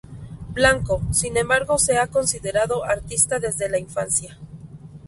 Blanco, sin embargo se ha considerado artista desde la infancia.